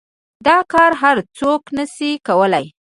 دا كار هر سوك نشي كولاى.